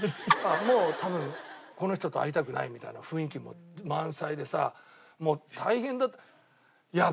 もう多分この人と会いたくないみたいな雰囲気も満載でさもう大変だった。